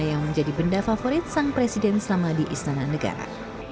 yang menjadi benda favorit sang presiden selama di istana negara